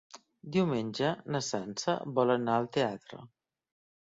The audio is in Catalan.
Diumenge na Sança vol anar al teatre.